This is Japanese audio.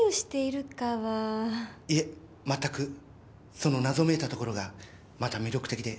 その謎めいたところがまた魅力的で。